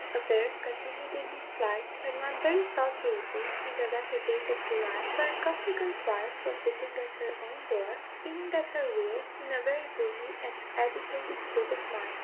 Affairs continued in this plight, when one very sultry evening in the latter days of July, Bryan Costigan's wife was sitting at her own door, spinning at her wheel, in a very gloomy and agitated state of mind.